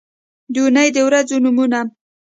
د اونۍ د ورځو نومونه